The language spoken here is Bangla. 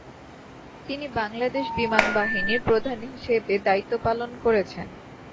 তিনি বাংলাদেশ বিমান বাহিনীর প্রধান হিসাবে দায়িত্ব পালন করেছেন।